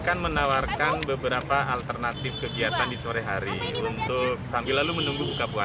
kan menawarkan beberapa alternatif kegiatan sore hari untuk sampai lalu menunggu kegiatan pendidikan